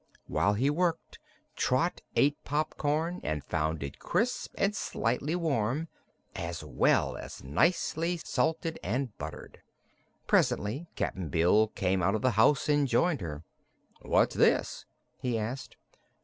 While he worked, Trot ate popcorn and found it crisp and slightly warm, as well as nicely salted and buttered. Presently Cap'n Bill came out of the house and joined her. "What's this?" he asked.